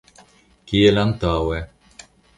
Kiel antaŭe.